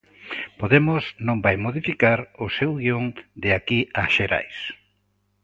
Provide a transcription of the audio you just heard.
Podemos non vai modificar o seu guión de aquí ás xerais.